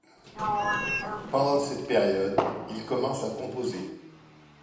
Pendant cette période il commence à composer.